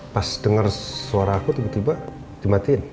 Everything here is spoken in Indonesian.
pas dengar suara aku tiba tiba dimatiin